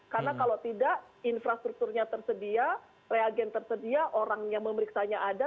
karena kalau tidak infrastrukturnya tersedia reagen tersedia orang yang memeriksanya ada